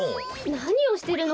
なにしてるの？